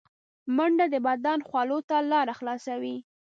منډه د بدن خولو ته لاره خلاصوي